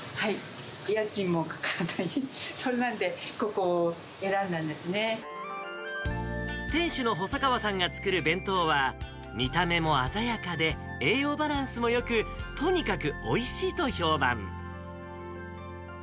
家賃もかからないし、店主の細川さんが作る弁当は、見た目も鮮やかで、栄養バランスもよく、とにかくおいしいと評判。